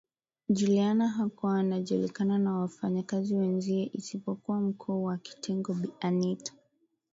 Juliana hakuwa anajulikana na wafanya kazi wenzie isipokuwa mkuu wa kitengo Bi Anita